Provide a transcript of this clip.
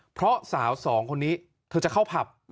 เพราะสาวสองคนนี้เธอจะเข้าผับ